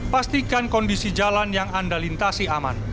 pastikan kondisi jalan yang anda lintasi aman